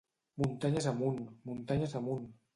Muntanyes amunt!, muntanyes amunt!